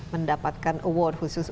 mendapatkan award khusus